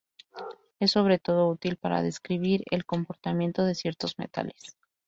Es sobre todo útil para describir el comportamiento de ciertos metales.